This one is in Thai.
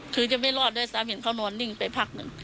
คือจะไม่รอดด้วยซ้ำเห็นเขานอนนิ่งไปพักหนึ่ง